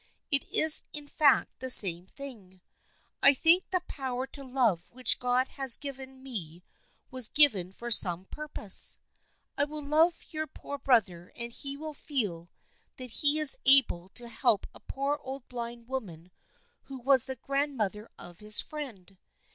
It is in fact the same thing. I think the power to love which God has given me was given for some good purpose. I will love your poor brother and he will feel that he is able to help a poor old blind woman who was the grand mother of his friend.